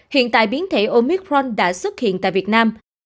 hiện tại biến thể omicron đã xuất hiện tại việt nam